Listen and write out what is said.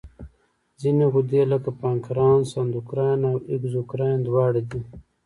ځینې غدې لکه پانکراس اندوکراین او اګزوکراین دواړه دي.